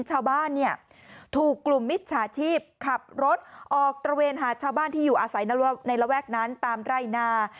ชาวบ้านเนี่ยถูกกลุ่มมิจฉาชีพขับรถออกตระเวนหาชาวบ้านที่อยู่อาศัยในระแวกนั้นตามไร่นา